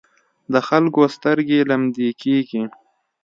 د خلکو سترګې لمدې کېږي.